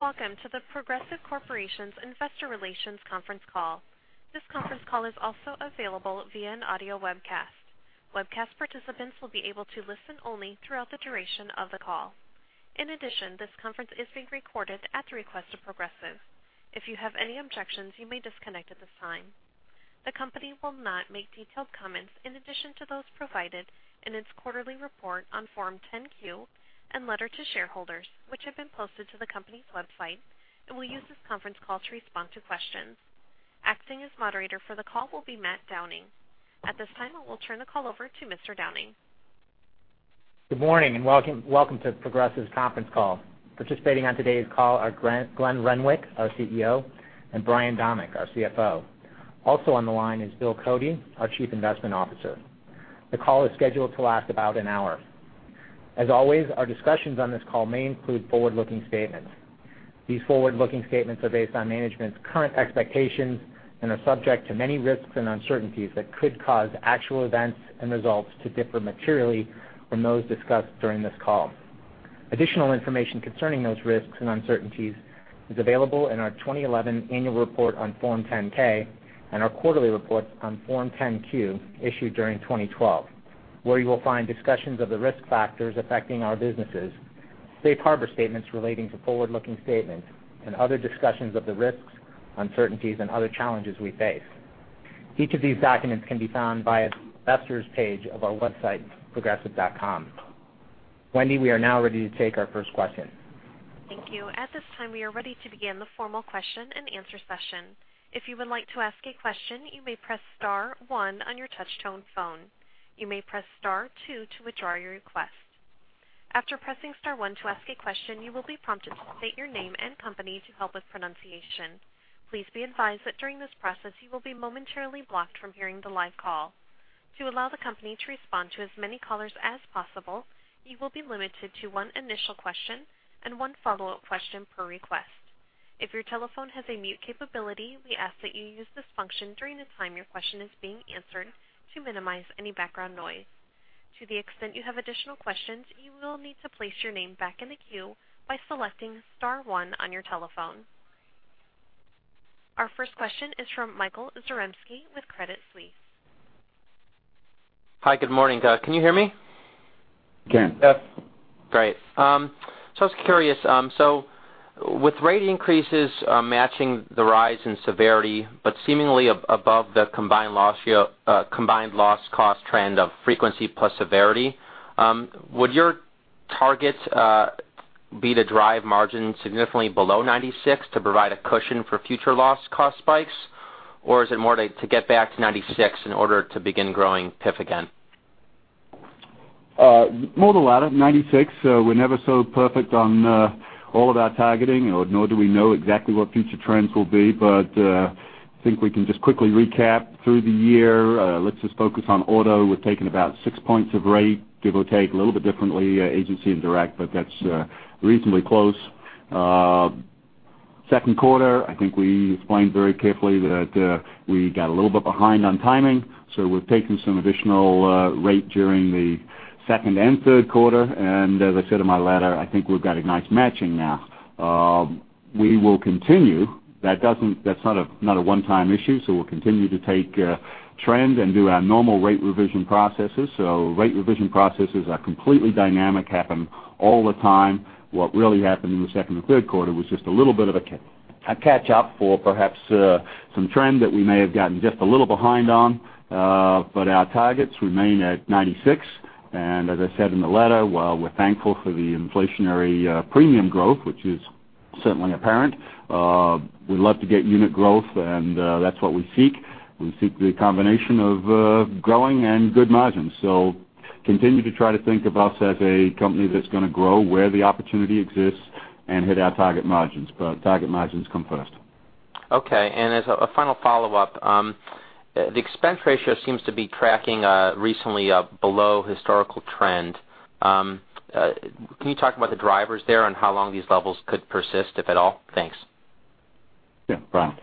Welcome to The Progressive Corporation Investor Relations Conference Call. This conference call is also available via an audio webcast. Webcast participants will be able to listen only throughout the duration of the call. In addition, this conference is being recorded at the request of Progressive. If you have any objections, you may disconnect at this time. The company will not make detailed comments in addition to those provided in its quarterly report on Form 10-Q and letter to shareholders, which have been posted to the company's website, and will use this conference call to respond to questions. Acting as moderator for the call will be Matt Downing. At this time, I will turn the call over to Mr. Downing. Good morning. Welcome to Progressive's conference call. Participating on today's call are Glenn Renwick, our CEO, and Brian Domeck, our CFO. Also on the line is Bill Cody, our Chief Investment Officer. The call is scheduled to last about an hour. As always, our discussions on this call may include forward-looking statements. These forward-looking statements are based on management's current expectations and are subject to many risks and uncertainties that could cause actual events and results to differ materially from those discussed during this call. Additional information concerning those risks and uncertainties is available in our 2011 annual report on Form 10-K and our quarterly report on Form 10-Q issued during 2012, where you will find discussions of the risk factors affecting our businesses, safe harbor statements relating to forward-looking statements, and other discussions of the risks, uncertainties, and other challenges we face. Each of these documents can be found via the Investors page of our website, progressive.com. Wendy, we are now ready to take our first question. Thank you. At this time, we are ready to begin the formal question and answer session. If you would like to ask a question, you may press star one on your touch-tone phone. You may press star two to withdraw your request. After pressing star one to ask a question, you will be prompted to state your name and company to help with pronunciation. Please be advised that during this process, you will be momentarily blocked from hearing the live call. To allow the company to respond to as many callers as possible, you will be limited to one initial question and one follow-up question per request. If your telephone has a mute capability, we ask that you use this function during the time your question is being answered to minimize any background noise. To the extent you have additional questions, you will need to place your name back in the queue by selecting star one on your telephone. Our first question is from Michael Zaremski with Credit Suisse. Hi. Good morning. Can you hear me? We can. Yes. Great. I was curious, so with rate increases matching the rise in severity, but seemingly above the combined loss cost trend of frequency plus severity, would your targets be to drive margin significantly below 96% to provide a cushion for future loss cost spikes? Or is it more to get back to 96% in order to begin growing PIF again? More the latter, 96%. We're never so perfect on all of our targeting, nor do we know exactly what future trends will be. I think we can just quickly recap through the year. Let's just focus on auto. We've taken about six points of rate, give or take, a little bit differently, agency and direct, but that's reasonably close. Second quarter, I think we explained very carefully that we got a little bit behind on timing, so we've taken some additional rate during the second and third quarter. As I said in my letter, I think we've got a nice matching now. We will continue. That's not a one-time issue, so we'll continue to take trends and do our normal rate revision processes. Rate revision processes are completely dynamic, happen all the time. What really happened in the second and third quarter was just a little bit of a catch-up for perhaps some trend that we may have gotten just a little behind on. Our targets remain at 96%. As I said in the letter, while we're thankful for the inflationary premium growth, which is certainly apparent, we'd love to get unit growth, and that's what we seek. We seek the combination of growing and good margins. Continue to try to think of us as a company that's going to grow where the opportunity exists and hit our target margins. Target margins come first. Okay. As a final follow-up, the expense ratio seems to be tracking recently below historical trend. Can you talk about the drivers there and how long these levels could persist, if at all? Thanks. Yeah. Brian?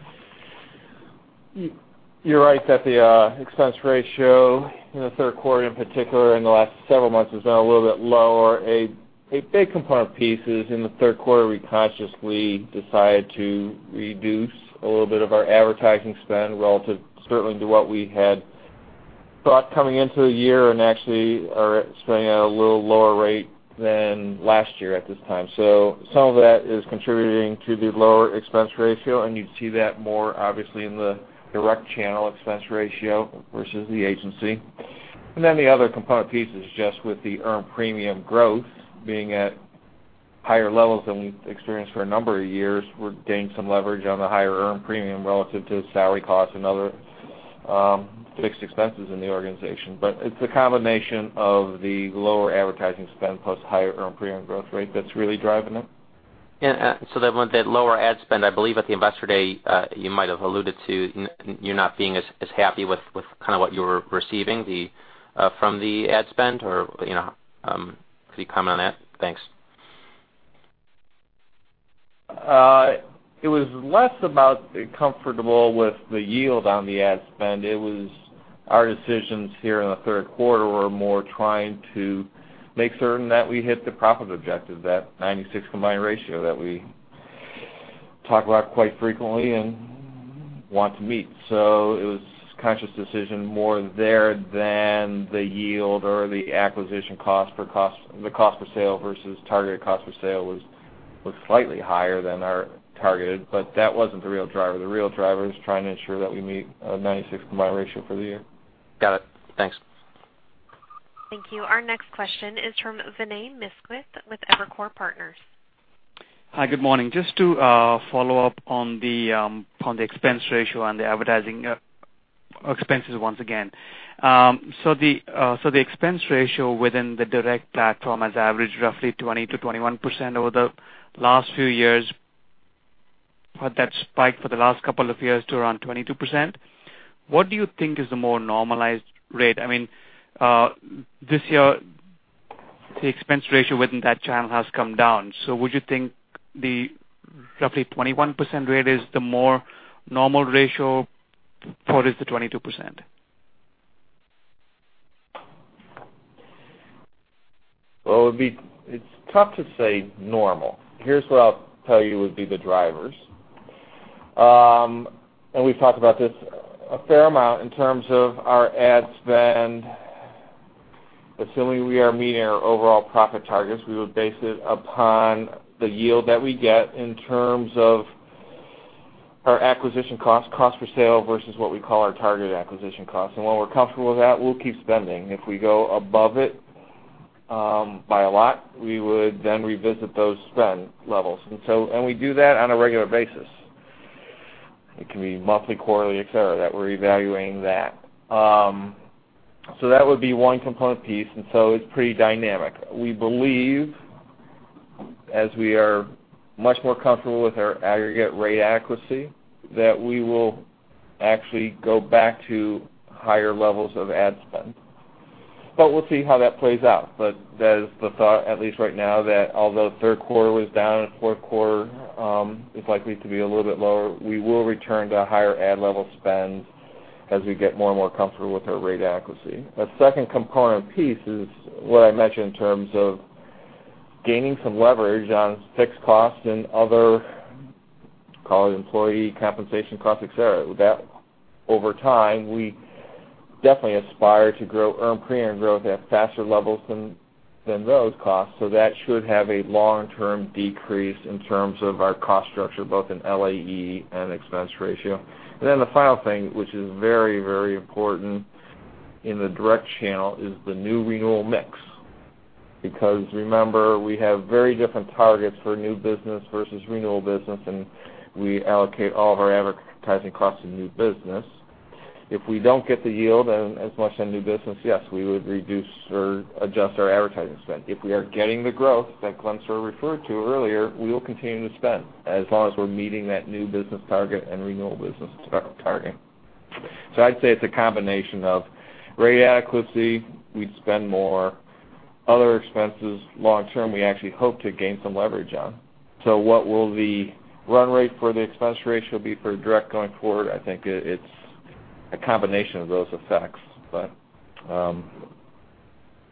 You're right that the expense ratio in the third quarter, in particular in the last several months, has been a little bit lower. A big component piece is in the third quarter, we consciously decided to reduce a little bit of our advertising spend relative certainly to what we had thought coming into the year, and actually are spending at a little lower rate than last year at this time. Some of that is contributing to the lower expense ratio, and you see that more obviously in the direct channel expense ratio versus the agency. The other component piece is just with the earned premium growth being at higher levels than we've experienced for a number of years. We've gained some leverage on the higher earned premium relative to salary costs and other fixed expenses in the organization. It's a combination of the lower advertising spend plus higher earned premium growth rate that's really driving it. Yeah. That lower ad spend, I believe at the investor day, you might have alluded to you not being as happy with what you were receiving from the ad spend. Could you comment on that? Thanks. It was less about comfortable with the yield on the ad spend. It was Our decisions here in the third quarter were more trying to make certain that we hit the profit objective, that 96 combined ratio that we talk about quite frequently and want to meet. It was a conscious decision more there than the yield or the acquisition cost per sale. The cost per sale versus targeted cost per sale was slightly higher than our targeted, but that wasn't the real driver. The real driver is trying to ensure that we meet a 96 combined ratio for the year. Got it. Thanks. Thank you. Our next question is from Vinay Misquith with Evercore Partners. Hi. Good morning. Just to follow up on the expense ratio and the advertising expenses once again. The expense ratio within the direct platform has averaged roughly 20%-21% over the last few years, but that spiked for the last couple of years to around 22%. What do you think is the more normalized rate? I mean, this year, the expense ratio within that channel has come down. Would you think the roughly 21% rate is the more normal ratio, or is the 22%? Well, it's tough to say normal. Here's what I'll tell you would be the drivers. We've talked about this a fair amount in terms of our ad spend. Assuming we are meeting our overall profit targets, we would base it upon the yield that we get in terms of our acquisition cost for sale, versus what we call our targeted acquisition cost. When we're comfortable with that, we'll keep spending. If we go above it by a lot, we would then revisit those spend levels. We do that on a regular basis. It can be monthly, quarterly, et cetera, that we're evaluating that. That would be one component piece. It's pretty dynamic. We believe, as we are much more comfortable with our aggregate rate accuracy, that we will actually go back to higher levels of ad spend. We'll see how that plays out. That is the thought, at least right now, that although third quarter was down and fourth quarter is likely to be a little bit lower, we will return to higher ad level spends as we get more and more comfortable with our rate accuracy. A second component piece is what I mentioned in terms of gaining some leverage on fixed costs and other, call it employee compensation costs, et cetera. Over time, we definitely aspire to grow earned premium growth at faster levels than those costs. That should have a long-term decrease in terms of our cost structure, both in LAE and expense ratio. The final thing, which is very, very important in the direct channel, is the new renewal mix. Because remember, we have very different targets for new business versus renewal business, and we allocate all of our advertising costs to new business. If we don't get the yield as much on new business, yes, we would reduce or adjust our advertising spend. If we are getting the growth that Glenn referred to earlier, we will continue to spend, as long as we're meeting that new business target and renewal business target. I'd say it's a combination of rate adequacy. We'd spend more other expenses long term, we actually hope to gain some leverage on. What will the run rate for the expense ratio be for direct going forward? I think it's a combination of those effects, but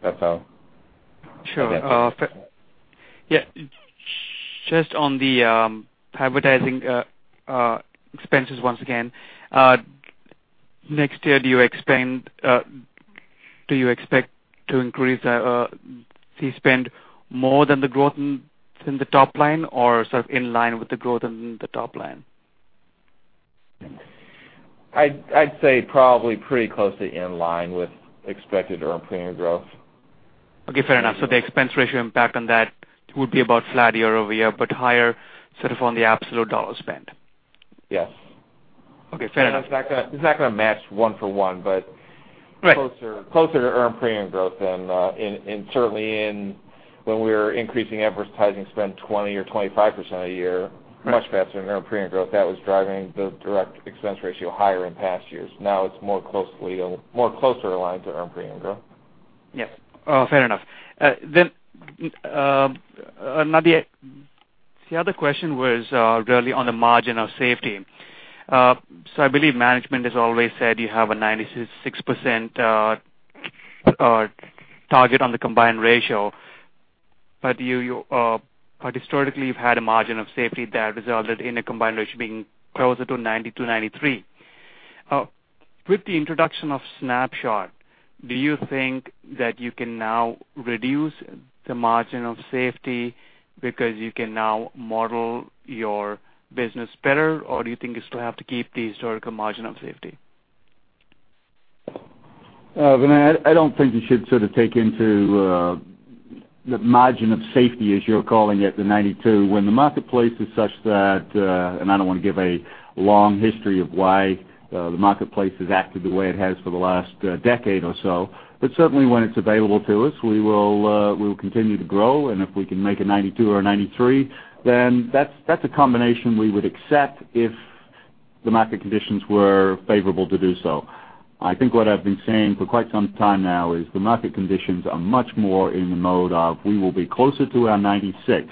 that's how. Sure. Yeah. Just on the advertising expenses once again. Next year, do you expect to increase the spend more than the growth in the top line or sort of in line with the growth in the top line? I'd say probably pretty closely in line with expected earned premium growth. Okay, fair enough. The expense ratio impact on that would be about flat year-over-year, but higher sort of on the absolute dollar spend. Yes. Okay, fair enough. It's not going to match one for one, but closer to earned premium growth than certainly when we were increasing advertising spend 20% or 25% a year, much faster than earned premium growth. That was driving the direct expense ratio higher in past years. Now it's more closer in line to earned premium growth. Yes. Fair enough. The other question was really on the margin of safety. I believe management has always said you have a 96% target on the combined ratio, but historically, you've had a margin of safety that resulted in a combined ratio being closer to 92%, 93%. With the introduction of Snapshot, do you think that you can now reduce the margin of safety because you can now model your business better, or do you think you still have to keep the historical margin of safety? Vinay, I don't think you should sort of take into the margin of safety as you're calling it, the 92%, when the marketplace is such that, I don't want to give a long history of why the marketplace has acted the way it has for the last decade or so. Certainly when it's available to us, we will continue to grow, and if we can make a 92% or a 93%, that's a combination we would accept if the market conditions were favorable to do so. I think what I've been saying for quite some time now is the market conditions are much more in the mode of we will be closer to our 96%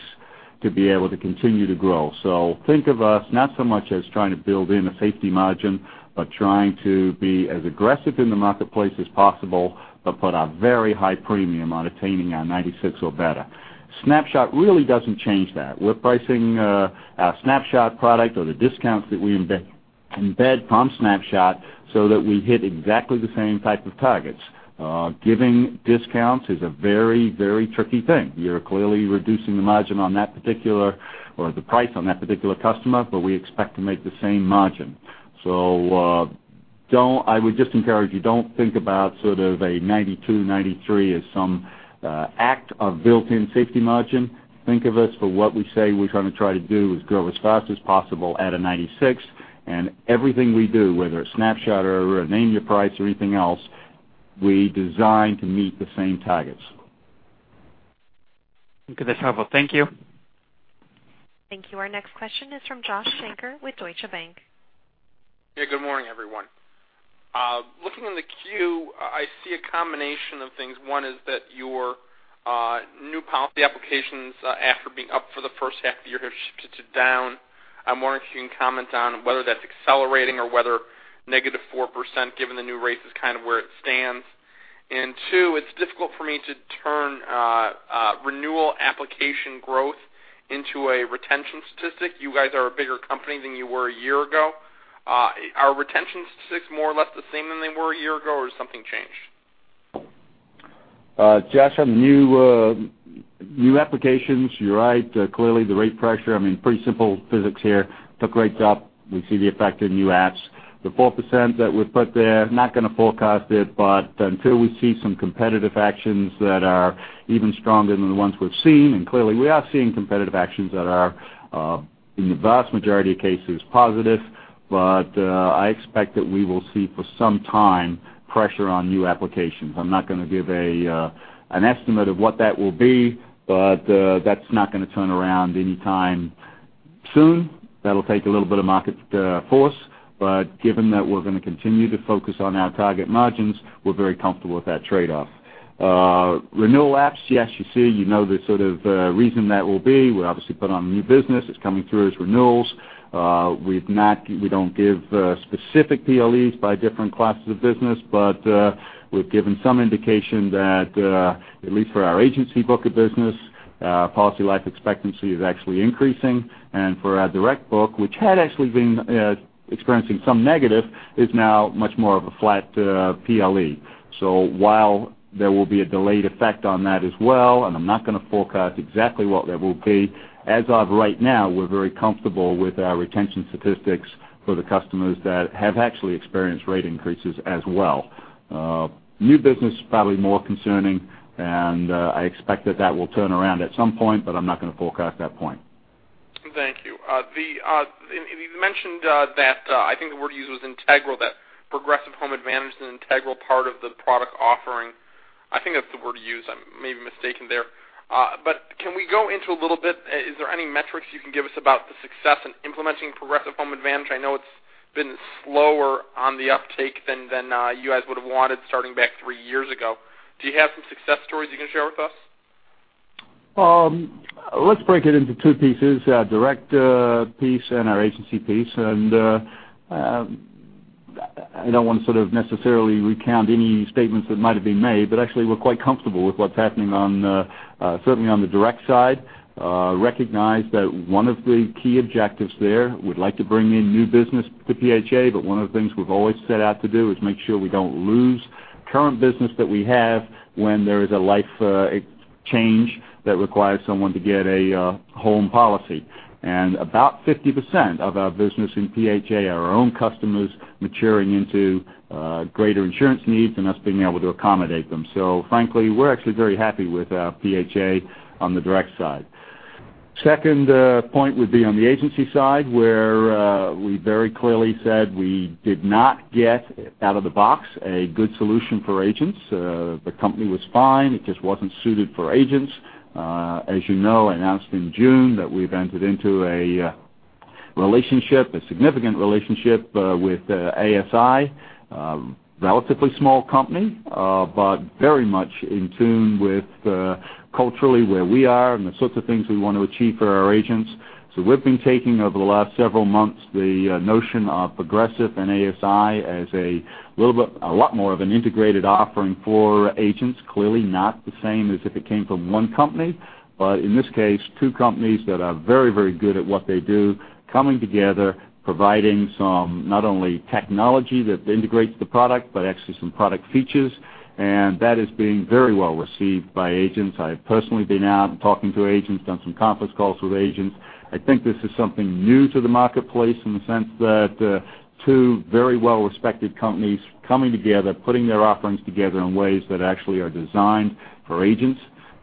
To be able to continue to grow. Think of us not so much as trying to build in a safety margin, but trying to be as aggressive in the marketplace as possible, but put a very high premium on attaining our 96% or better. Snapshot really doesn't change that. We're pricing our Snapshot product or the discounts that we embed from Snapshot so that we hit exactly the same type of targets. Giving discounts is a very, very tricky thing. You're clearly reducing the margin on that particular or the price on that particular customer, but we expect to make the same margin. I would just encourage you, don't think about sort of a 92%, 93% as some act of built-in safety margin. Think of us for what we say we're going to try to do is grow as fast as possible at a 96%. Everything we do, whether it's Snapshot or Name Your Price or anything else, we design to meet the same targets. Okay, that's helpful. Thank you. Thank you. Our next question is from Joshua Shanker with Deutsche Bank. Good morning, everyone. Looking in the queue, I see a combination of things. One is that your new policy applications, after being up for the first half of the year, have shifted to down. I'm wondering if you can comment on whether that's accelerating or whether -4%, given the new rates, is kind of where it stands. Two, it's difficult for me to turn renewal application growth into a retention statistic. You guys are a bigger company than you were a year ago. Are retention statistics more or less the same than they were a year ago, or has something changed? Josh, on new applications, you're right. Clearly, the rate pressure, I mean, pretty simple physics here. Took rates up. We see the effect in new apps. The 4% that we put there, not going to forecast it, until we see some competitive actions that are even stronger than the ones we've seen, clearly, we are seeing competitive actions that are, in the vast majority of cases, positive. I expect that we will see for some time pressure on new applications. I'm not going to give an estimate of what that will be, but that'll not going to turn around anytime soon. That'll take a little bit of market force. Given that we're going to continue to focus on our target margins, we're very comfortable with that trade-off. Renewal apps, yes, you see. You know the sort of reason that will be. We obviously put on new business. It's coming through as renewals. We don't give specific PLEs by different classes of business, but we've given some indication that at least for our agency book of business, policy life expectancy is actually increasing. For our direct book, which had actually been experiencing some negative, is now much more of a flat PLE. While there will be a delayed effect on that as well, and I'm not going to forecast exactly what that will be, as of right now, we're very comfortable with our retention statistics for the customers that have actually experienced rate increases as well. New business, probably more concerning, and I expect that that will turn around at some point, but I'm not going to forecast that point. Thank you. You mentioned that I think the word used was integral, that Progressive Home Advantage is an integral part of the product offering. I think that's the word you used. I may be mistaken there. Can we go into a little bit, is there any metrics you can give us about the success in implementing Progressive Home Advantage? I know it's been slower on the uptake than you guys would have wanted starting back three years ago. Do you have some success stories you can share with us? Let's break it into two pieces, our direct piece and our agency piece. I don't want to sort of necessarily recount any statements that might've been made, but actually we're quite comfortable with what's happening certainly on the direct side. Recognize that one of the key objectives there, we'd like to bring in new business to PHA, but one of the things we've always set out to do is make sure we don't lose current business that we have when there is a life change that requires someone to get a home policy. About 50% of our business in PHA are our own customers maturing into greater insurance needs and us being able to accommodate them. Frankly, we're actually very happy with our PHA on the direct side. Second point would be on the agency side, where we very clearly said we did not get out of the box a good solution for agents. The company was fine. It just wasn't suited for agents. You know, announced in June that we've entered into a relationship, a significant relationship with ASI. Relatively small company, but very much in tune with culturally where we are and the sorts of things we want to achieve for our agents. We've been taking over the last several months the notion of Progressive and ASI as a lot more of an integrated offering for agents. Clearly not the same as if it came from one company. But in this case, two companies that are very, very good at what they do, coming together, providing some not only technology that integrates the product, but actually some product features. That is being very well received by agents. I've personally been out and talking to agents, done some conference calls with agents. I think this is something new to the marketplace in the sense that two very well-respected companies coming together, putting their offerings together in ways that actually are designed for agents.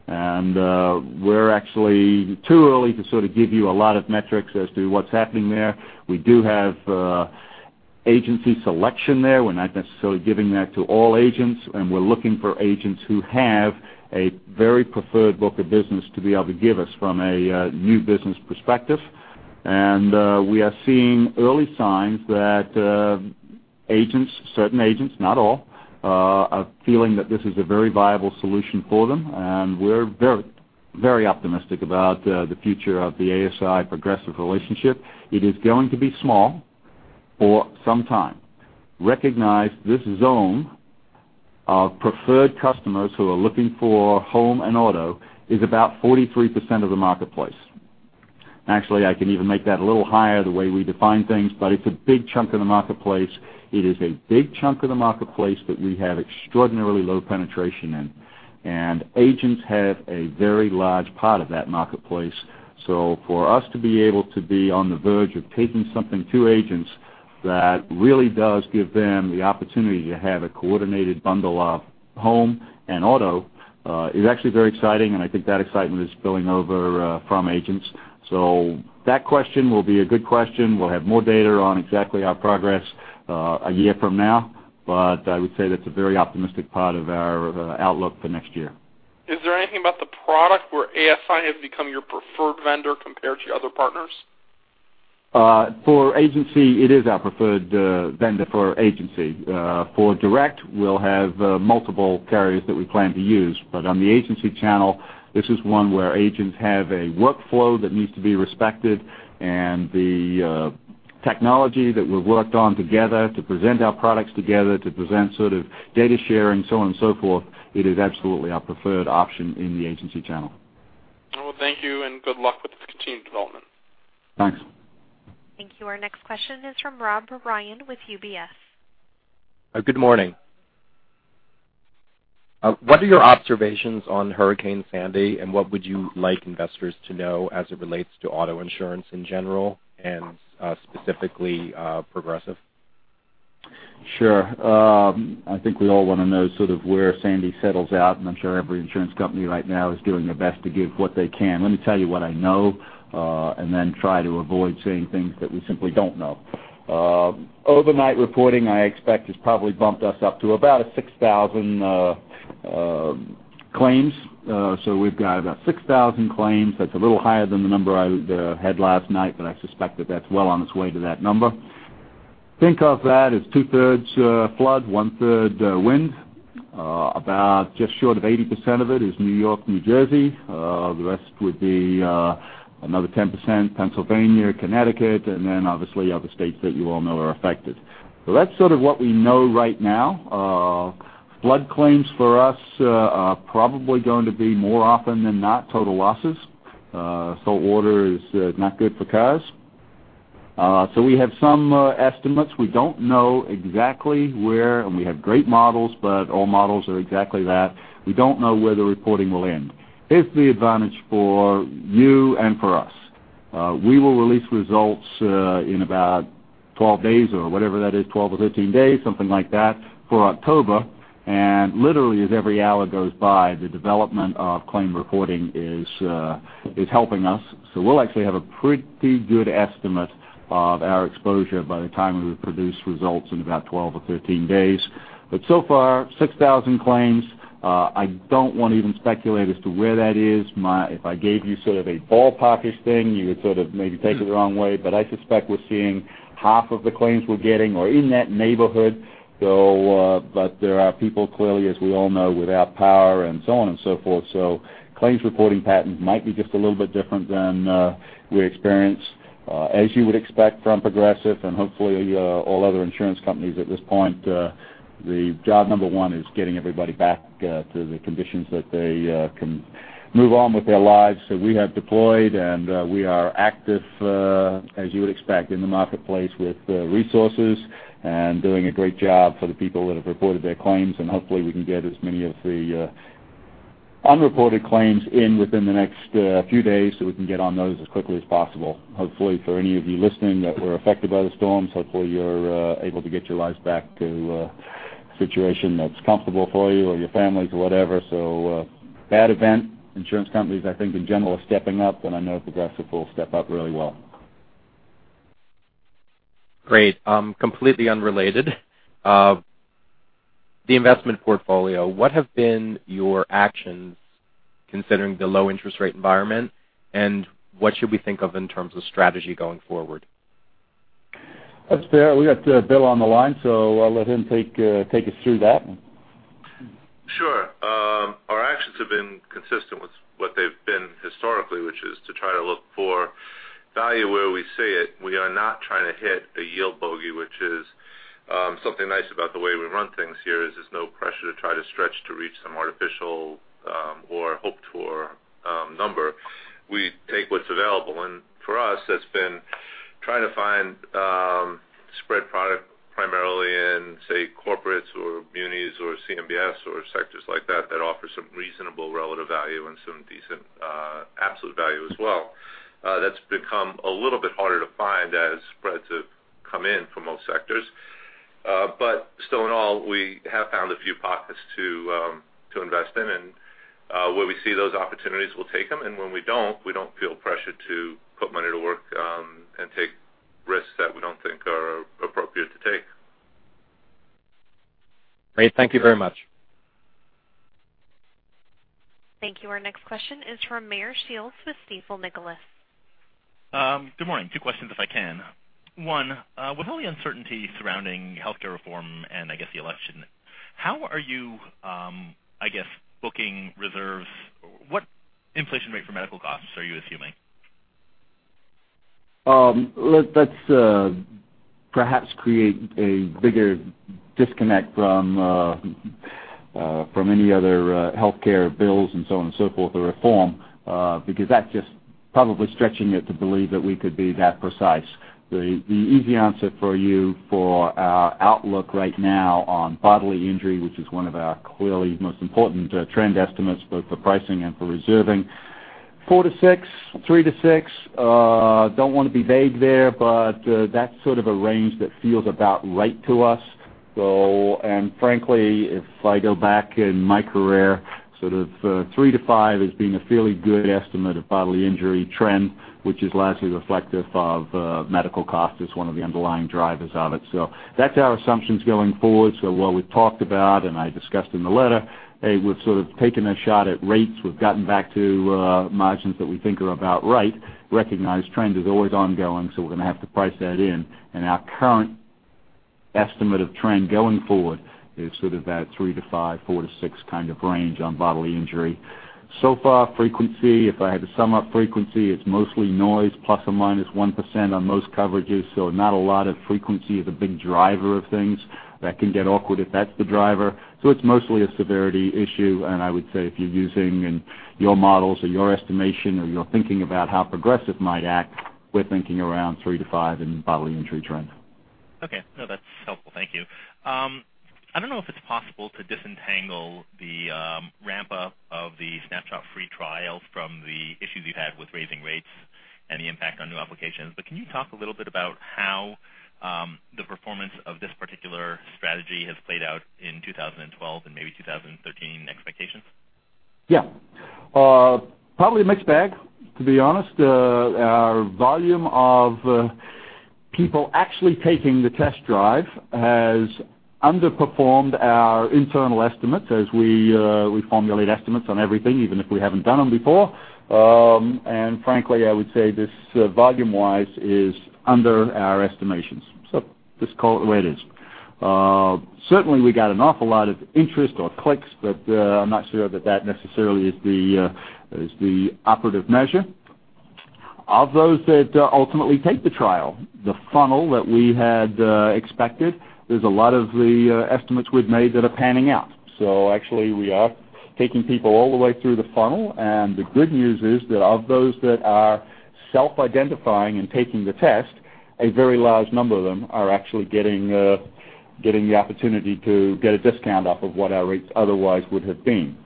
We're actually too early to sort of give you a lot of metrics as to what's happening there. We do have agency selection there. We're not necessarily giving that to all agents, and we're looking for agents who have a very preferred book of business to be able to give us from a new business perspective. We are seeing early signs that Agents, certain agents, not all, are feeling that this is a very viable solution for them, and we're very optimistic about the future of the ASI Progressive relationship. It is going to be small for some time. Recognize this zone of preferred customers who are looking for home and auto is about 43% of the marketplace. Actually, I can even make that a little higher the way we define things, but it's a big chunk of the marketplace. It is a big chunk of the marketplace that we have extraordinarily low penetration in, and agents have a very large part of that marketplace. For us to be able to be on the verge of taking something to agents that really does give them the opportunity to have a coordinated bundle of home and auto is actually very exciting, and I think that excitement is spilling over from agents. That question will be a good question. We'll have more data on exactly our progress a year from now, but I would say that's a very optimistic part of our outlook for next year. Is there anything about the product where ASI has become your preferred vendor compared to your other partners? For agency, it is our preferred vendor for agency. For direct, we'll have multiple carriers that we plan to use, but on the agency channel, this is one where agents have a workflow that needs to be respected, and the technology that we've worked on together to present our products together, to present sort of data sharing, so on and so forth, it is absolutely our preferred option in the agency channel. Well, thank you, and good luck with the continued development. Thanks. Thank you. Our next question is from Robert Ryan with UBS. Good morning. What are your observations on Hurricane Sandy, and what would you like investors to know as it relates to auto insurance in general and specifically Progressive? Sure. I think we all want to know sort of where Sandy settles out, and I'm sure every insurance company right now is doing their best to give what they can. Let me tell you what I know, and then try to avoid saying things that we simply don't know. Overnight reporting, I expect, has probably bumped us up to about 6,000 claims. We've got about 6,000 claims. That's a little higher than the number I had last night, but I suspect that that's well on its way to that number. Think of that as two-thirds flood, one-third wind. About just short of 80% of it is New York, New Jersey. The rest would be another 10%, Pennsylvania, Connecticut, and then obviously, other states that you all know are affected. That's sort of what we know right now. Flood claims for us are probably going to be more often than not total losses. Saltwater is not good for cars. We have some estimates. We don't know exactly where, and we have great models, but all models are exactly that. We don't know where the reporting will end. Here's the advantage for you and for us. We will release results in about 12 days or whatever that is, 12 or 13 days, something like that, for October. Literally, as every hour goes by, the development of claim reporting is helping us. We'll actually have a pretty good estimate of our exposure by the time we produce results in about 12 or 13 days. So far, 6,000 claims. I don't want to even speculate as to where that is. If I gave you sort of a ballpark-ish thing, you would sort of maybe take it the wrong way, but I suspect we're seeing half of the claims we're getting or in that neighborhood. There are people clearly, as we all know, without power and so on and so forth. Claims reporting patterns might be just a little bit different than we experienced. As you would expect from Progressive and hopefully all other insurance companies at this point, the job number one is getting everybody back to the conditions that they can move on with their lives. We have deployed, and we are active as you would expect in the marketplace with resources and doing a great job for the people that have reported their claims, and hopefully, we can get as many of the unreported claims in within the next few days so we can get on those as quickly as possible. Hopefully, for any of you listening that were affected by the storm, hopefully you're able to get your lives back to a situation that's comfortable for you or your families or whatever. Bad event. Insurance companies, I think in general, are stepping up, and I know Progressive will step up really well. Great. Completely unrelated. The investment portfolio. What have been your actions considering the low interest rate environment, and what should we think of in terms of strategy going forward? That's fair. We got Bill on the line, so I'll let him take you through that one. Sure. Our actions have been consistent with what they've been historically, which is to try to look for value where we see it. We are not trying to hit a yield bogey, which is something nice about the way we run things here, is there's no pressure to try to stretch to reach some artificial or hoped for number. We take what's available, and for us, that's been trying to find spread product primarily in, say, corporates or munis or CMBS or sectors like that that offer some reasonable relative value and some decent absolute value as well. That's become a little bit harder to find as spreads have come in for most sectors. Still in all, we have found a few pockets to invest in, and where we see those opportunities, we'll take them, and when we don't, we don't feel pressure to put money to work and take risks that we don't think are appropriate to take. Great. Thank you very much. Thank you. Our next question is from Meyer Shields with Stifel, Nicolaus. Good morning. Two questions if I can. One, with all the uncertainty surrounding healthcare reform and I guess the election, how are you, I guess, booking reserves? What inflation rate for medical costs are you assuming? Let's perhaps create a bigger disconnect from any other healthcare bills and so on and so forth, or reform because that's just probably stretching it to believe that we could be that precise. The easy answer for you for our outlook right now on bodily injury, which is one of our clearly most important trend estimates both for pricing and for reserving, 4%-6%, 3%-6%. Don't want to be vague there, but that's sort of a range that feels about right to us. Frankly, if I go back in my career, sort of 3%-5% has been a fairly good estimate of bodily injury trend, which is largely reflective of medical cost as one of the underlying drivers of it. That's our assumptions going forward. What we've talked about, and I discussed in the letter, we've sort of taken a shot at rates. We've gotten back to margins that we think are about right. Recognize trend is always ongoing, we're going to have to price that in. Our current estimate of trend going forward is sort of that three to five, four to six kind of range on bodily injury. So far, frequency, if I had to sum up frequency, it's mostly noise, ±1% on most coverages. Not a lot of frequency is a big driver of things. That can get awkward if that's the driver. It's mostly a severity issue. I would say if you're using in your models or your estimation or you're thinking about how Progressive might act, we're thinking around three to five in bodily injury trend. Okay. No, that's helpful. Thank you. I don't know if it's possible to disentangle the ramp-up of the Snapshot free trials from the issues you've had with raising rates and the impact on new applications, but can you talk a little bit about how the performance of this particular strategy has played out in 2012 and maybe 2013 expectations? Yeah. Probably a mixed bag, to be honest. Our volume of people actually taking the Test Drive has underperformed our internal estimates as we formulate estimates on everything, even if we haven't done them before. Frankly, I would say this volume-wise is under our estimations. Just call it the way it is. Certainly, we got an awful lot of interest or clicks, but I'm not sure that that necessarily is the operative measure. Of those that ultimately take the trial, the funnel that we had expected, there's a lot of the estimates we've made that are panning out. Actually, we are taking people all the way through the funnel, and the good news is that of those that are self-identifying and taking the test, a very large number of them are actually getting the opportunity to get a discount off of what our rates otherwise would have been.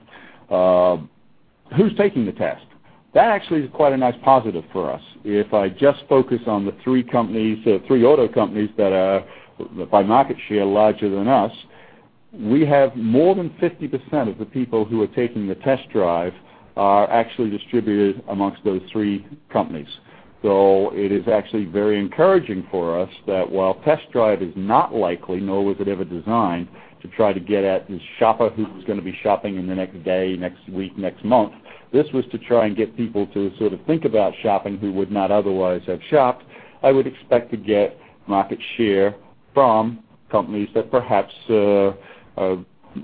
Who's taking the test? That actually is quite a nice positive for us. If I just focus on the three auto companies that are, by market share, larger than us, we have more than 50% of the people who are taking the Test Drive are actually distributed amongst those three companies. It is actually very encouraging for us that while Test Drive is not likely, nor was it ever designed to try to get at the shopper who was going to be shopping in the next day, next week, next month. This was to try and get people to sort of think about shopping who would not otherwise have shopped. I would expect to get market share from companies that perhaps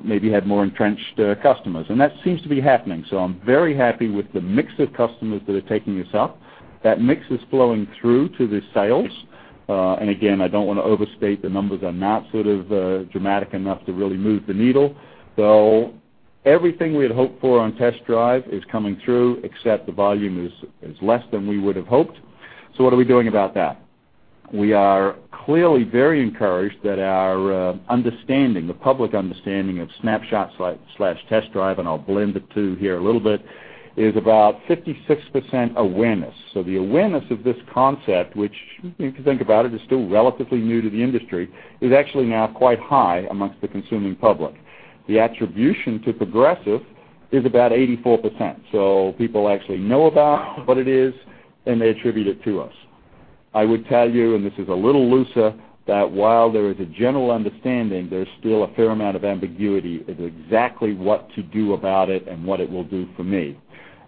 maybe had more entrenched customers. That seems to be happening. I'm very happy with the mix of customers that are taking us up. That mix is flowing through to the sales. Again, I don't want to overstate the numbers are not sort of dramatic enough to really move the needle, though everything we had hoped for on Test Drive is coming through, except the volume is less than we would have hoped. What are we doing about that? We are clearly very encouraged that our understanding, the public understanding of Snapshot/Test Drive, and I'll blend the two here a little bit, is about 56% awareness. The awareness of this concept, which if you think about it, is still relatively new to the industry, is actually now quite high amongst the consuming public. The attribution to Progressive is about 84%. People actually know about what it is, and they attribute it to us. I would tell you, and this is a little looser, that while there is a general understanding, there's still a fair amount of ambiguity as exactly what to do about it and what it will do for me.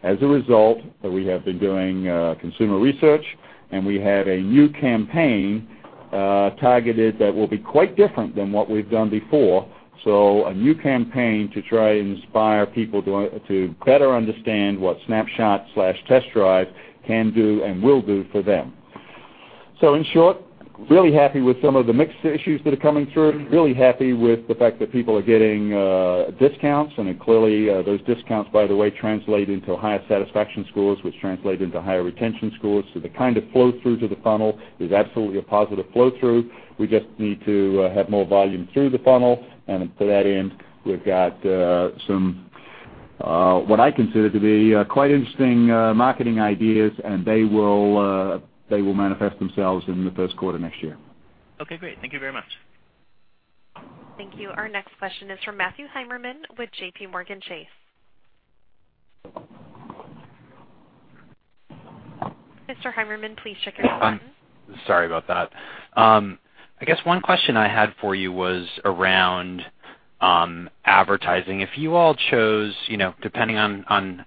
As a result, we have been doing consumer research, and we have a new campaign targeted that will be quite different than what we've done before. A new campaign to try and inspire people to better understand what Snapshot/Test Drive can do and will do for them. In short, really happy with some of the mixed issues that are coming through. Really happy with the fact that people are getting discounts, clearly those discounts, by the way, translate into higher satisfaction scores, which translate into higher retention scores. The kind of flow through to the funnel is absolutely a positive flow through. We just need to have more volume through the funnel. To that end, we've got some, what I consider to be quite interesting marketing ideas, and they will manifest themselves in the first quarter next year. Okay, great. Thank you very much. Thank you. Our next question is from Matthew Heimermann with JPMorgan Chase. Mr. Heimermann, please check your mute button. Sorry about that. I guess one question I had for you was around advertising. If you all chose, depending on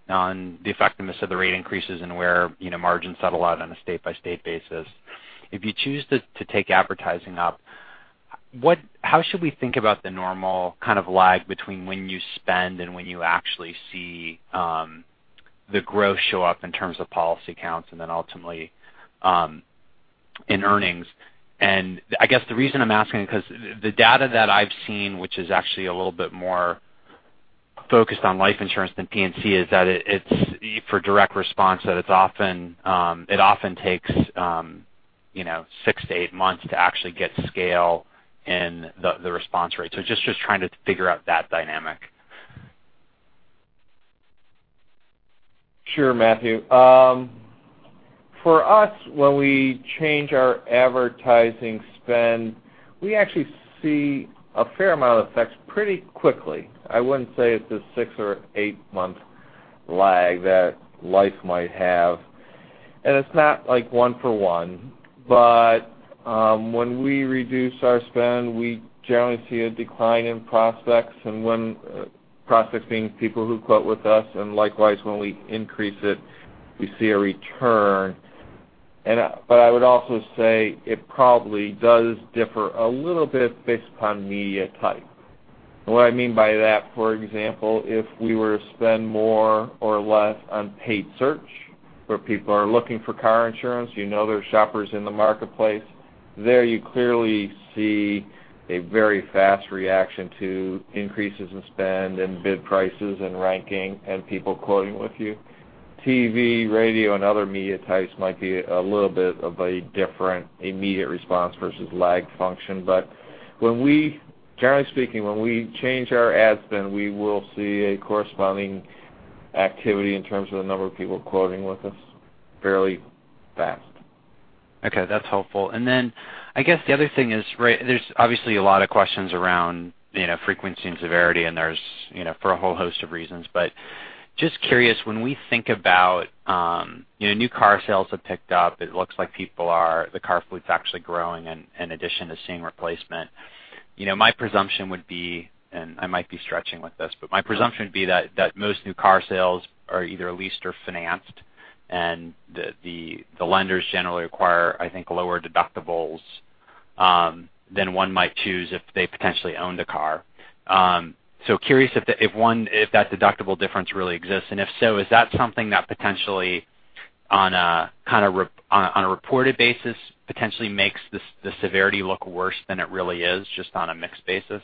the effectiveness of the rate increases and where margins settle out on a state-by-state basis, if you choose to take advertising up, how should we think about the normal lag between when you spend and when you actually see the growth show up in terms of policy counts and then ultimately in earnings? I guess the reason I'm asking, because the data that I've seen, which is actually a little bit more focused on life insurance than P&C, is that for direct response, it often takes six to eight months to actually get scale in the response rate. Just trying to figure out that dynamic. Sure, Matthew. For us, when we change our advertising spend, we actually see a fair amount of effects pretty quickly. I wouldn't say it's a six or eight-month lag that life might have, and it's not one for one. When we reduce our spend, we generally see a decline in prospects being people who quote with us, likewise, when we increase it, we see a return. I would also say it probably does differ a little bit based upon media type. What I mean by that, for example, if we were to spend more or less on paid search, where people are looking for car insurance, you know they're shoppers in the marketplace, there you clearly see a very fast reaction to increases in spend and bid prices and ranking and people quoting with you. TV, radio, and other media types might be a little bit of a different immediate response versus lag function. Generally speaking, when we change our ad spend, we will see a corresponding activity in terms of the number of people quoting with us fairly fast. Okay, that's helpful. I guess the other thing is there is obviously a lot of questions around frequency and severity, and there is for a whole host of reasons, but just curious, when we think about new car sales have picked up, it looks like the car fleet's actually growing in addition to seeing replacement. My presumption would be, and I might be stretching with this, but my presumption would be that most new car sales are either leased or financed, and the lenders generally require, I think, lower deductibles than one might choose if they potentially owned a car. Curious if that deductible difference really exists, and if so, is that something that potentially on a reported basis potentially makes the severity look worse than it really is, just on a mixed basis?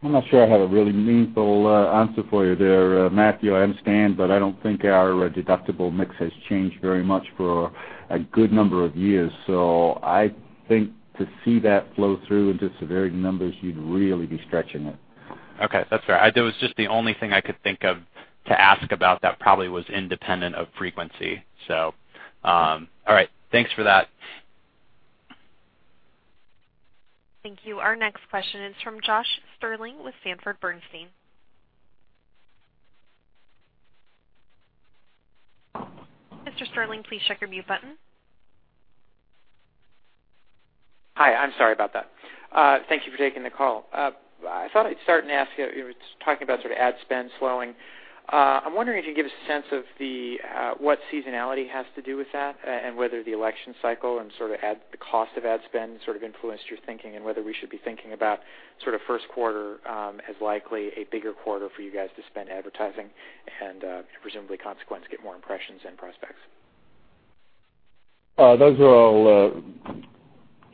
I'm not sure I have a really meaningful answer for you there, Matthew. I understand, but I don't think our deductible mix has changed very much for a good number of years. I think to see that flow through into severity numbers, you'd really be stretching it. Okay. That's fair. That was just the only thing I could think of to ask about that probably was independent of frequency. All right. Thanks for that. Thank you. Our next question is from Josh Stirling with Sanford Bernstein. Mr. Stirling, please check your mute button. Hi, I'm sorry about that. Thank you for taking the call. I thought I'd start and ask you, talking about ad spend slowing. I'm wondering if you could give us a sense of what seasonality has to do with that, and whether the election cycle and the cost of ad spend sort of influenced your thinking, and whether we should be thinking about first quarter as likely a bigger quarter for you guys to spend advertising, and presumably, consequence, get more impressions and prospects.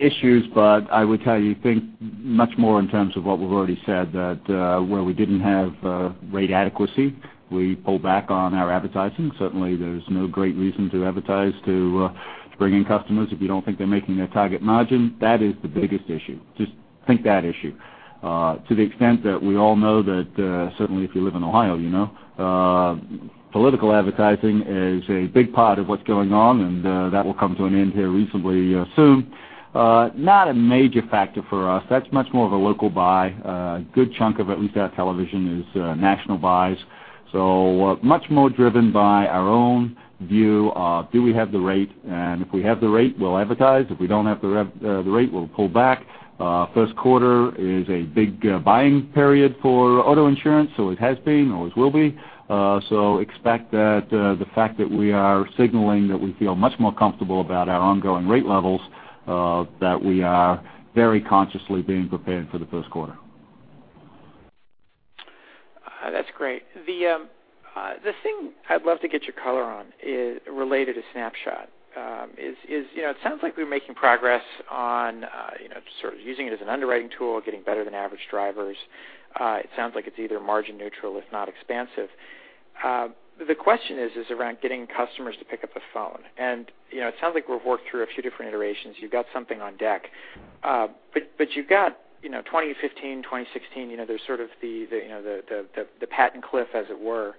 I would tell you, think much more in terms of what we've already said, that where we didn't have rate adequacy, we pulled back on our advertising. Certainly, there's no great reason to advertise to bring in customers if you don't think they're making their target margin. That is the biggest issue. Just think that issue. To the extent that we all know that certainly if you live in Ohio, you know political advertising is a big part of what's going on, and that will come to an end here reasonably soon. Not a major factor for us. That's much more of a local buy. A good chunk of at least our television is national buys. Much more driven by our own view of do we have the rate, and if we have the rate, we'll advertise. If we don't have the rate, we'll pull back. First quarter is a big buying period for auto insurance. It has been, always will be. Expect that the fact that we are signaling that we feel much more comfortable about our ongoing rate levels, that we are very consciously being prepared for the first quarter. That's great. The thing I'd love to get your color on related to Snapshot. It sounds like we're making progress on sort of using it as an underwriting tool, getting better than average drivers. It sounds like it's either margin neutral if not expansive. The question is around getting customers to pick up the phone. It sounds like we've worked through a few different iterations. You've got something on deck. You've got 2015, 2016, there's sort of the patent cliff, as it were,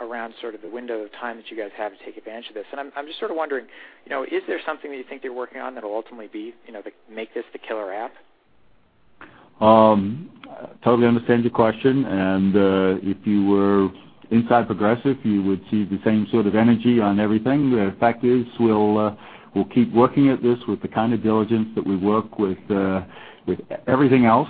around sort of the window of time that you guys have to take advantage of this. I'm just sort of wondering, is there something that you think you're working on that'll ultimately make this the killer app? I totally understand your question, if you were inside Progressive, you would see the same sort of energy on everything. The fact is, we'll keep working at this with the kind of diligence that we work with everything else.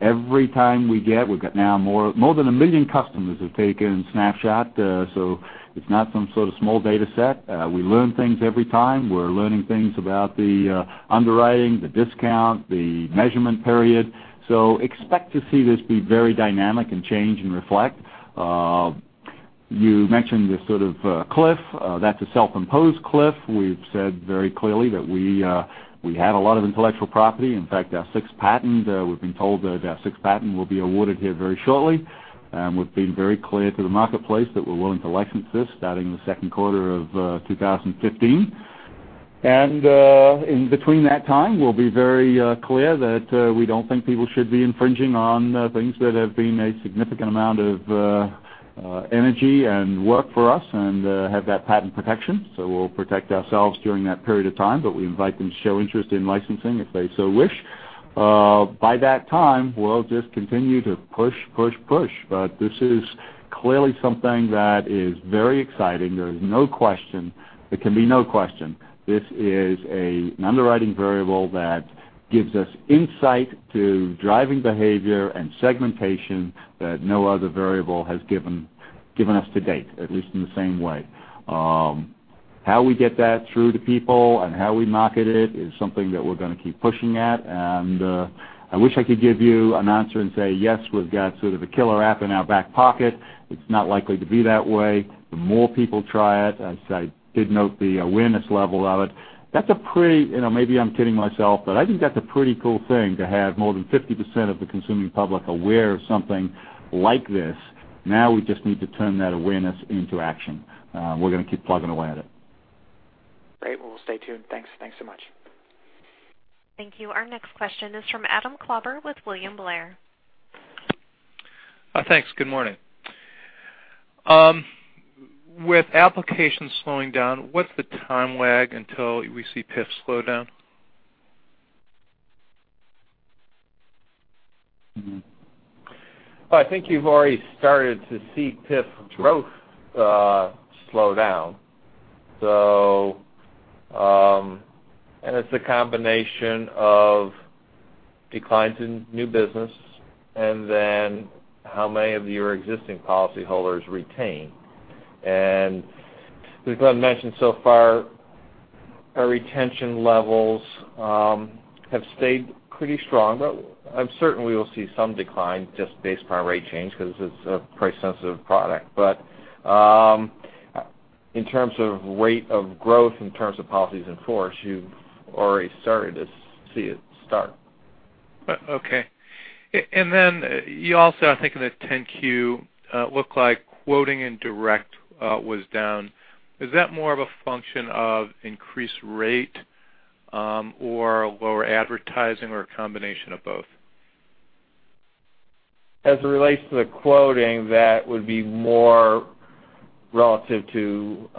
Every time we get, we've got now more than 1 million customers have taken Snapshot, so it's not some sort of small data set. We learn things every time. We're learning things about the underwriting, the discount, the measurement period. Expect to see this be very dynamic and change and reflect. You mentioned this sort of cliff. That's a self-imposed cliff. We've said very clearly that we had a lot of intellectual property. In fact, our sixth patent, we've been told that our sixth patent will be awarded here very shortly. We've been very clear to the marketplace that we're willing to license this starting in the second quarter of 2015. In between that time, we'll be very clear that we don't think people should be infringing on things that have been a significant amount of energy and work for us and have that patent protection. We'll protect ourselves during that period of time, but we invite them to show interest in licensing if they so wish. By that time, we'll just continue to push. This is clearly something that is very exciting. There is no question. There can be no question. This is an underwriting variable that gives us insight to driving behavior and segmentation that no other variable has given us to date, at least in the same way. How we get that through to people and how we market it is something that we're going to keep pushing at. I wish I could give you an answer and say, "Yes, we've got sort of a killer app in our back pocket." It's not likely to be that way. The more people try it, as I did note the awareness level of it, maybe I'm kidding myself, but I think that's a pretty cool thing to have more than 50% of the consuming public aware of something like this. Now we just need to turn that awareness into action. We're going to keep plugging away at it. Great. Well, we'll stay tuned. Thanks. Thanks so much. Thank you. Our next question is from Adam Klauber with William Blair. Thanks. Good morning. With applications slowing down, what's the time lag until we see PIP slow down? Well, I think you've already started to see PIP growth slow down. It's a combination of declines in new business how many of your existing policyholders retain. As Glenn mentioned, so far, our retention levels have stayed pretty strong, but I'm certain we will see some decline just based upon our rate change because it's a price-sensitive product. In terms of rate of growth, in terms of policies in force, you've already started to see it start. Okay. You also, I think in the 10-Q, looked like quoting in direct was down. Is that more of a function of increased rate or lower advertising or a combination of both? As it relates to the quoting, that would be more relative to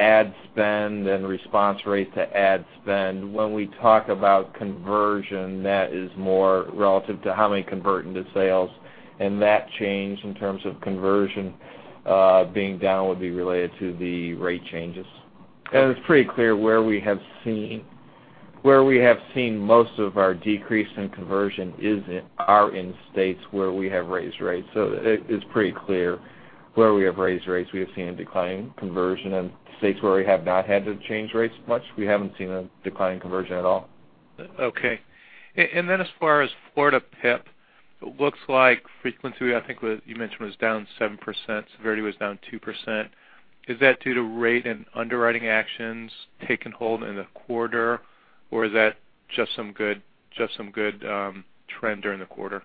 ad spend and response rate to ad spend. When we talk about conversion, that is more relative to how many convert into sales. That change in terms of conversion being down would be related to the rate changes. It's pretty clear where we have seen most of our decrease in conversion are in states where we have raised rates. It's pretty clear where we have raised rates, we have seen a decline in conversion. In states where we have not had to change rates much, we haven't seen a decline in conversion at all. Okay. As far as Florida PIP, it looks like frequency, I think you mentioned, was down 7%, severity was down 2%. Is that due to rate and underwriting actions taking hold in the quarter, or is that just some good trend during the quarter?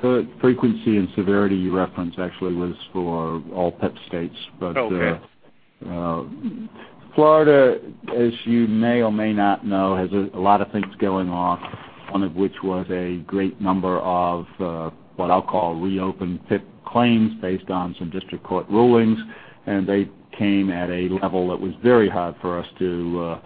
Frequency and severity you referenced actually was for all PIP states. Okay. Florida, as you may or may not know, has a lot of things going on, one of which was a great number of what I'll call reopened PIP claims based on some district court rulings, and they came at a level that was very hard for us to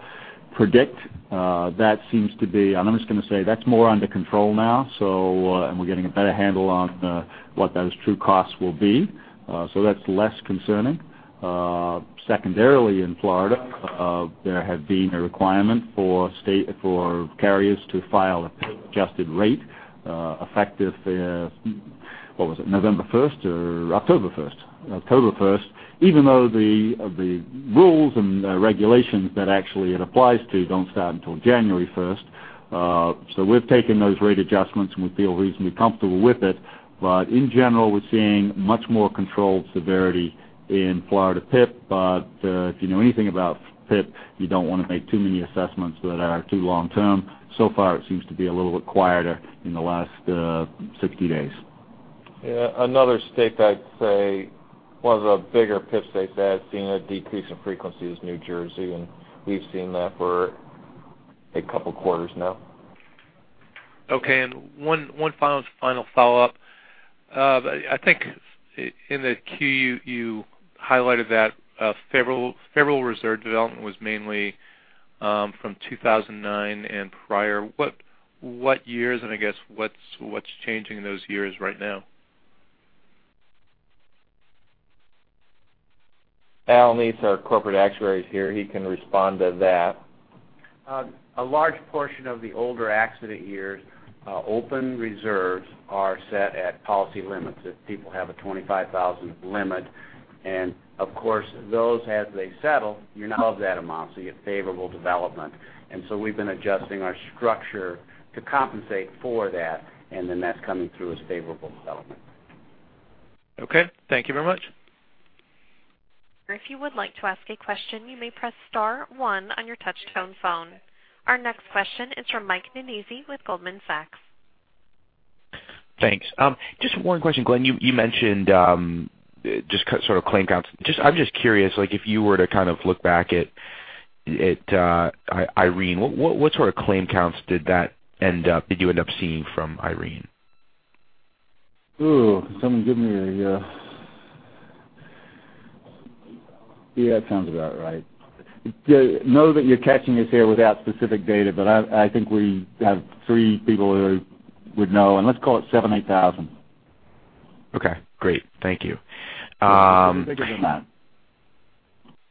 predict. That seems to be, and I'm just going to say, that's more under control now, and we're getting a better handle on what those true costs will be. That's less concerning. Secondarily, in Florida, there had been a requirement for carriers to file a PIP adjusted rate, effective, what was it, November 1st or October 1st? October 1st. Even though the rules and regulations that actually it applies to don't start until January 1st. We've taken those rate adjustments, and we feel reasonably comfortable with it. In general, we're seeing much more controlled severity in Florida PIP. If you know anything about PIP, you don't want to make too many assessments that are too long-term. So far, it seems to be a little bit quieter in the last 60 days. Yeah. Another state, I'd say one of the bigger PIP states that has seen a decrease in frequency is New Jersey, and we've seen that for a couple of quarters now. Okay, one final follow-up. I think in the queue, you highlighted that favorable reserve development was mainly from 2009 and prior. What years, I guess what's changing in those years right now? Al Neath, our Corporate Actuary, is here. He can respond to that. A large portion of the older accident years' open reserves are set at policy limits. If people have a 25,000 limit, and of course, those, as they settle, you're now of that amount, so you have favorable development. We've been adjusting our structure to compensate for that, and then that's coming through as favorable development. Okay. Thank you very much. If you would like to ask a question, you may press star one on your touch-tone phone. Our next question is from Michael Nannizzi with Goldman Sachs. Thanks. Just one question, Glenn. You mentioned just sort of claim counts. I'm just curious, if you were to kind of look back at Irene, what sort of claim counts did you end up seeing from Irene? Ooh, someone give me. Yeah, that sounds about right. Know that you're catching us here without specific data, but I think we have three people who would know, and let's call it 7,000, 8,000. Okay, great. Thank you. It's bigger than that.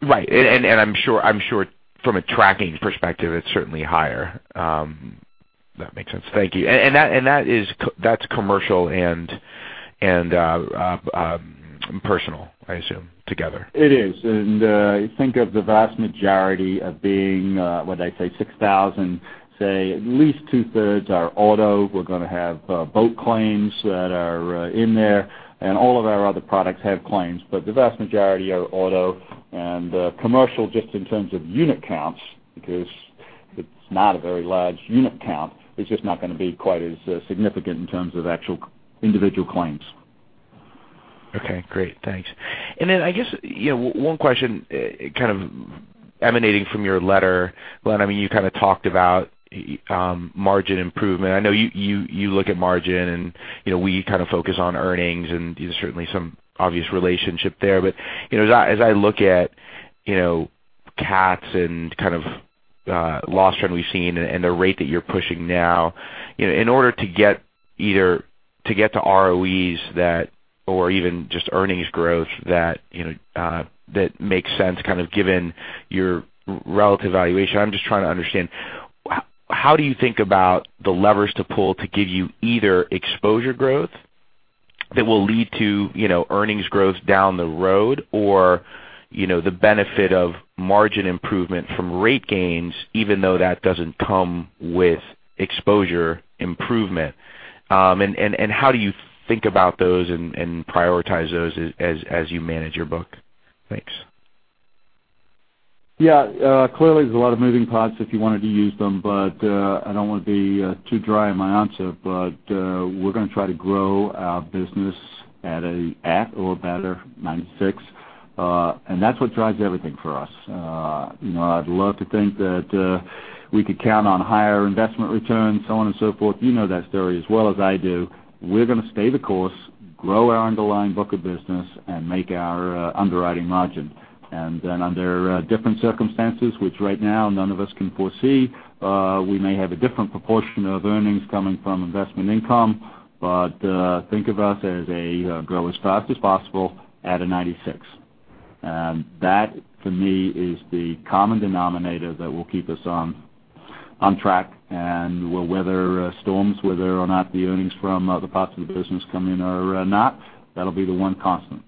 Right. I'm sure from a tracking perspective, it's certainly higher. That makes sense. Thank you. That's commercial and personal, I assume, together. It is. Think of the vast majority of being, when I say 6,000, say at least two-thirds are auto. We're going to have boat claims that are in there, all of our other products have claims, the vast majority are auto. Commercial, just in terms of unit counts, because it's not a very large unit count, is just not going to be quite as significant in terms of actual individual claims. I guess one question kind of emanating from your letter, Glenn, you kind of talked about margin improvement. I know you look at margin, and we kind of focus on earnings, and there's certainly some obvious relationship there. As I look at cats and kind of loss trend we've seen and the rate that you're pushing now, in order to get to ROEs or even just earnings growth that makes sense kind of given your relative valuation, I'm just trying to understand, how do you think about the levers to pull to give you either exposure growth that will lead to earnings growth down the road or the benefit of margin improvement from rate gains, even though that doesn't come with exposure improvement? How do you think about those and prioritize those as you manage your book? Thanks. Yeah. Clearly, there's a lot of moving parts if you wanted to use them, I don't want to be too dry in my answer, we're going to try to grow our business at or better than 96. That's what drives everything for us. I'd love to think that we could count on higher investment returns, so on and so forth. You know that story as well as I do. We're going to stay the course, grow our underlying book of business, and make our underwriting margin. Under different circumstances, which right now none of us can foresee, we may have a different proportion of earnings coming from investment income. Think of us as a grow as fast as possible at a 96. That, for me, is the common denominator that will keep us on track and we'll weather storms, whether or not the earnings from other parts of the business come in or not. That'll be the one constant.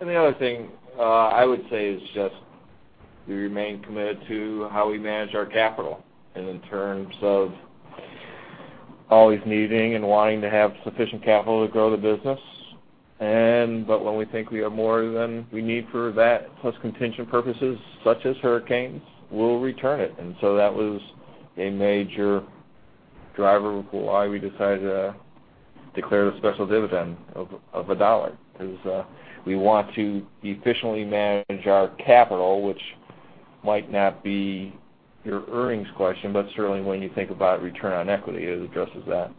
The other thing I would say is just we remain committed to how we manage our capital, and in terms of always needing and wanting to have sufficient capital to grow the business. When we think we have more than we need for that, plus contingent purposes such as hurricanes, we'll return it. That was a major driver of why we decided to declare the special dividend of $1, because we want to efficiently manage our capital, which might not be your earnings question, but certainly when you think about Return on Equity, it addresses that.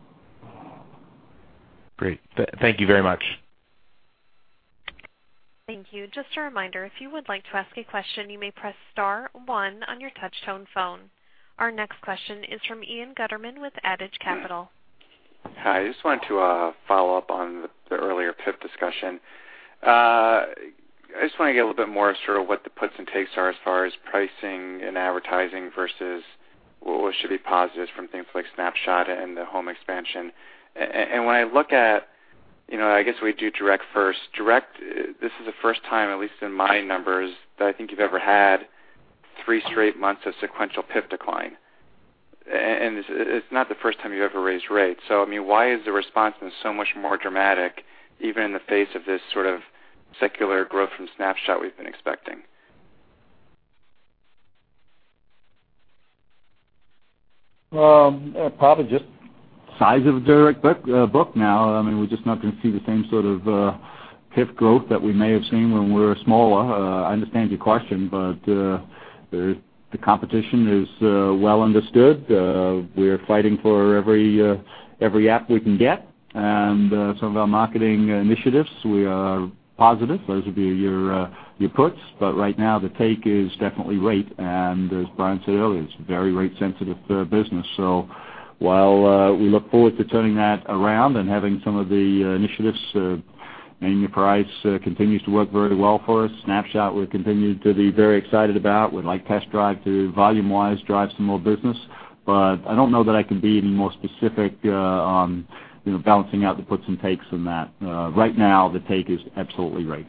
Great. Thank you very much. Thank you. Just a reminder, if you would like to ask a question, you may press star one on your touch-tone phone. Our next question is from Ian Gutterman with Adage Capital. Hi. I just wanted to follow up on the earlier PIP discussion. I just want to get a little bit more sort of what the puts and takes are as far as pricing and advertising versus what should be positives from things like Snapshot and the home expansion. When I look at, I guess we do direct first. Direct, this is the first time, at least in my numbers, that I think you've ever had three straight months of sequential PIP decline. It's not the first time you've ever raised rates. I mean, why is the response so much more dramatic, even in the face of this sort of secular growth from Snapshot we've been expecting? Probably just size of direct book now. We're just not going to see the same sort of PIF growth that we may have seen when we were smaller. I understand your question, the competition is well understood. We're fighting for every app we can get. Some of our marketing initiatives, we are positive those will be your puts. Right now the take is definitely rate. As Brian said earlier, it's very rate sensitive business. While we look forward to turning that around and having some of the initiatives, Name Your Price continues to work very well for us. Snapshot we continue to be very excited about. We'd like Test Drive to volume wise drive some more business. I don't know that I can be any more specific on balancing out the puts and takes in that. Right now the take is absolutely rate.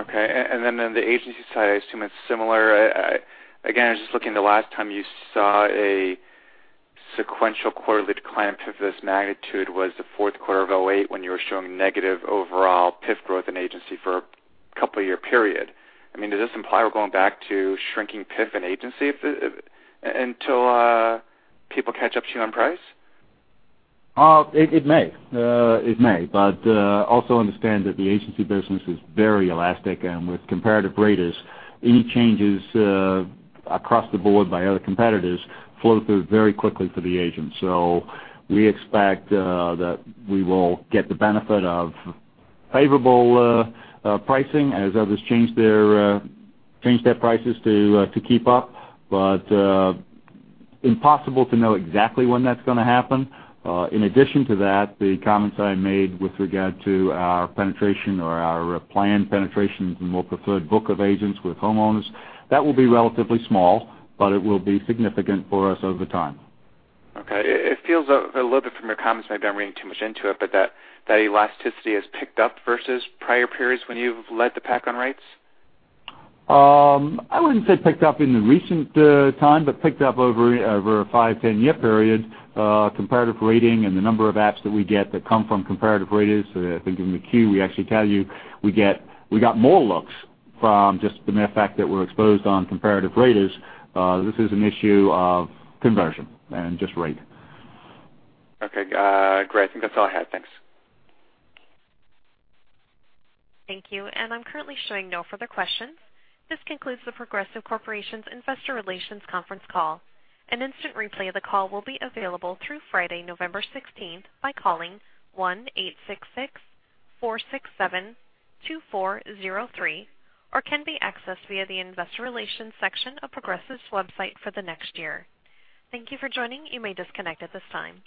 Okay. On the agency side, I assume it's similar. Again, I was just looking the last time you saw a sequential quarterly decline of this magnitude was the fourth quarter of 2008 when you were showing negative overall PIF growth in agency for a couple year period. Does this imply we're going back to shrinking PIF in agency until people catch up to you on price? It may. Also understand that the agency business is very elastic and with comparative raters, any changes across the board by other competitors flow through very quickly to the agent. We expect that we will get the benefit of favorable pricing as others change their prices to keep up, but impossible to know exactly when that's going to happen. In addition to that, the comments I made with regard to our penetration or our planned penetration in more preferred book of agents with homeowners, that will be relatively small, but it will be significant for us over time. Okay. It feels a little bit from your comments, maybe I'm reading too much into it, that elasticity has picked up versus prior periods when you've led the pack on rates? I wouldn't say picked up in the recent time, picked up over a five, 10 year period. Comparative rating and the number of apps that we get that come from comparative raters. I think in the 10-Q, we actually tell you we got more looks from just the mere fact that we're exposed on comparative raters. This is an issue of conversion and just rate. Okay, great. I think that's all I had. Thanks. Thank you. I'm currently showing no further questions. This concludes The Progressive Corporation's Investor Relations Conference Call. An instant replay of the call will be available through Friday, November 16th by calling 1-866-467-2403 or can be accessed via the investor relations section of Progressive's website for the next year. Thank you for joining. You may disconnect at this time.